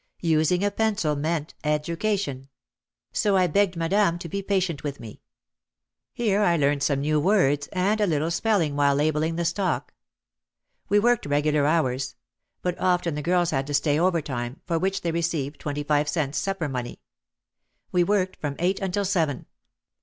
Using a pencil meant "education" ! So I begged Madame to be patient with me. Here I learned some new words and a little spelling while labelling the stock. We worked regular hours. But often the girls had to stay overtime, for which they received twenty five cents supper money. We worked from eight until seven.